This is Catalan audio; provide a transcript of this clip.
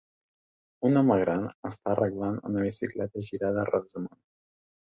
Un home gran està arreglant una bicicleta girada rodes amunt.